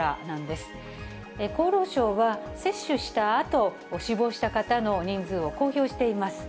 厚労省は、接種したあと、死亡した方の人数を公表しています。